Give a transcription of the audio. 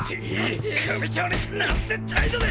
組長になんて態度だ！